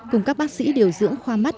cùng các bác sĩ điều dưỡng khoa mắt